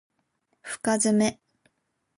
深爪